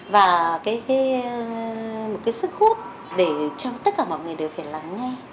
và một cái sức hút để cho tất cả mọi người đều phải lắng nghe